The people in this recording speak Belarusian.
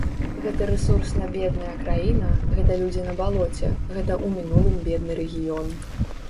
Гэта рэсурсна бедная краіна, гэта людзі на балоце, гэта ў мінулым бедны рэгіён.